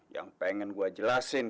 yang pengen gua jelasin